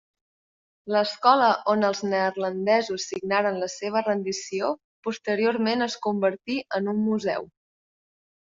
L'escola on els neerlandesos signaren la seva rendició posteriorment es convertí en un museu.